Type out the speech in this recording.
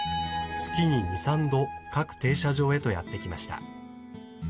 月に２３度各停車場へとやって来ました。